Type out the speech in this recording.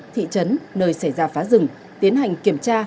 thị trấn nơi xảy ra phá rừng tiến hành kiểm tra